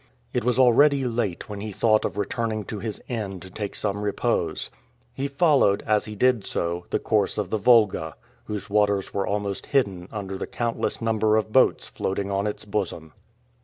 It was already late when he thought of returning to his inn to take some repose. He followed, as he did so, the course of the Volga, whose waters were almost hidden under the countless number of boats floating on its bosom.